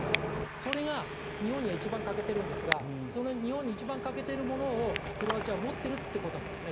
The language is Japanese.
それが日本には一番欠けているんですがその辺、日本に一番欠けているものをクロアチアは持っているということなんですね。